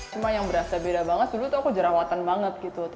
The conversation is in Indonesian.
cuma yang berasa beda banget dulu tuh aku jerawatan banget gitu